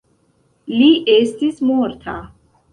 Li estis morta.